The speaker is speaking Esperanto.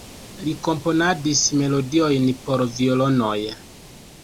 Li komponadis melodiojn por violonoj.